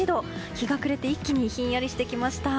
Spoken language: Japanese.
日が暮れて一気にひんやりしてきました。